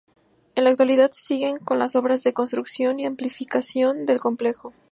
En la actualidad se siguen con las obras de construcción y ampliación del Complejo.